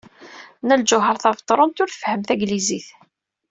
Nna Lǧuheṛ Tabetṛunt ur tfehhem tanglizit.